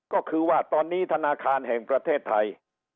ก็คือว่าตอนนี้ธนาคารแห่งประเทศไทย